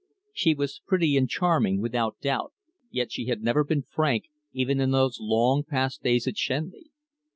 She was pretty and charming, without doubt, yet she had never been frank, even in those long past days at Shenley.